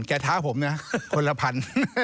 ท้าผมนะคนละพัน